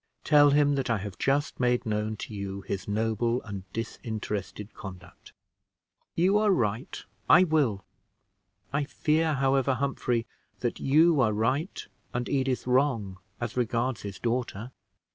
Tell him that I have just made known to you his noble and disinterested conduct." "You are right I will. I fear, however, Humphrey, that you are right and Edith wrong as regards his daughter."